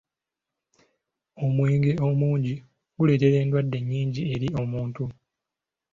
Omwenge omungi guleetera endwadde nnyingi eri omuntu.